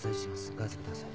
ガーゼください。